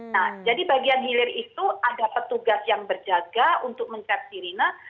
nah jadi bagian hilir itu ada petugas yang berjaga untuk mencap sirine